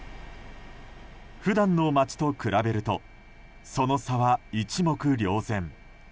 普段の街と比べるとその差は一目瞭然。